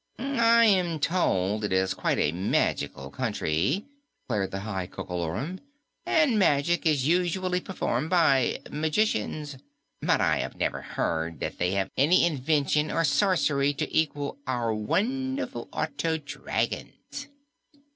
"I am told it is quite a magical country," declared the High Coco Lorum, "and magic is usually performed by magicians. But I have never heard that they have any invention or sorcery to equal our wonderful auto dragons."